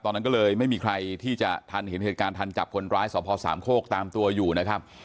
ตอนนั้นก็เลยไม่มีใครที่จะทันเห็นเหตุการณ์ทันจับคนร้ายสพสามโคกตามตัวอยู่นะครับ